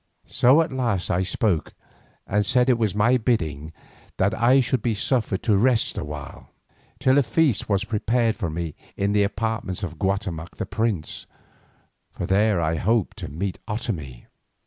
So at last I spoke and said it was my bidding that I should be suffered to rest a while, till a feast was prepared for me in the apartments of Guatemoc the prince, for there I hoped to meet Otomie.